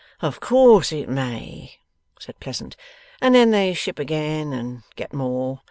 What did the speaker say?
'Of course it may,' said Pleasant; 'and then they ship again and get more.